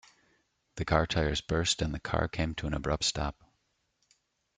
The car tires burst and the car came to an abrupt stop.